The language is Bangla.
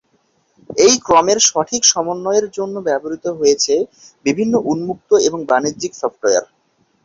এই ক্রমের সঠিক সমন্বয়ের জন্য ব্যবহৃত হয়েছে বিভিন্ন উন্মুক্ত এবং বাণিজ্যিক সফটওয়ার।